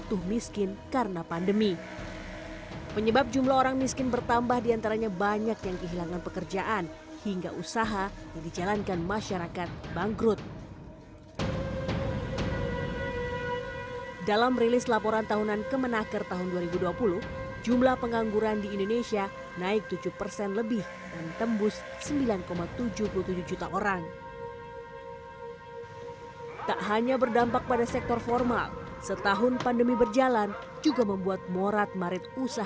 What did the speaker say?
untuk menghadapi tekanan akibat pandemi